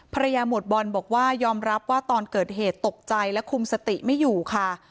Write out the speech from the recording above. หมวดบอลบอกว่ายอมรับว่าตอนเกิดเหตุตกใจและคุมสติไม่อยู่ค่ะ